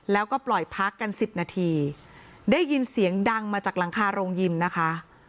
แล้วก็ปล่อยพักกันสิบนาทีได้ยินเสียงดังมาจากหลังคาโรงยิมนะคะ